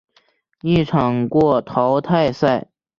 一场过淘汰赛。